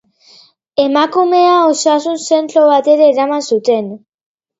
Emakumea osasun-zentro batera eraman zuten.